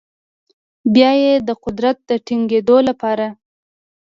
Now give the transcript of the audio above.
بیا یې د قدرت د ټینګیدو لپاره